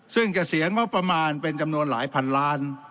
ซึ่งเกษียณงบประมาณเป็นจำนวนหลายพันล้าน